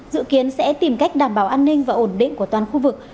dự kiến sẽ tìm cách đảm bảo an ninh và ổn định của toàn khu vực